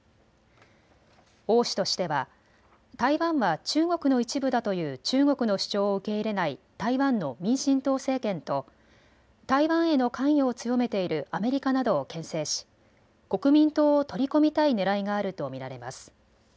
王氏としては台湾は中国の一部だという中国の主張を受け入れない台湾の民進党政権と台湾への関与を強めているアメリカなどをけん制し国民党を取り込みたいねらいがあると見られます。